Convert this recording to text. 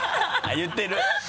言ってる！